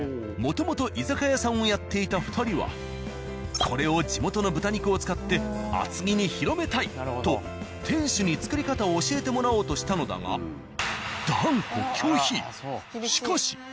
もともと居酒屋さんをやっていた２人はこれを地元の豚肉を使って厚木に広めたい！と店主に作り方を教えてもらおうとしたのだがしかし。